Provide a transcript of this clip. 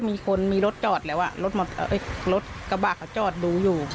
ก็มีคนมีรถจอดแล้วอ่ะรถหมดเอ้ยรถกระบาดเขาจอดดูอยู่